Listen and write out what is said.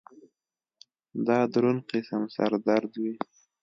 دا درون قسم سر درد وي